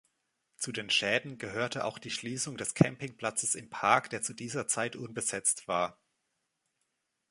Zu den Schäden gehörte auch die Schließung des Campingplatzes im Park, der zu dieser Zeit unbesetzt war.